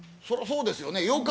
そらそうですよねよ